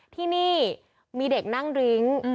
ที่นี่มีเด็กนั่งดริ้ง